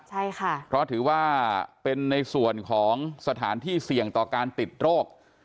ใช่ค่ะเพราะถือว่าเป็นในส่วนของสถานที่เสี่ยงต่อการติดโรค